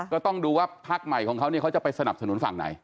ก็ต้องดูว่าพักใหม่ของเขาเนี่ยเขาจะไปสนับสนุนฝั่งไหน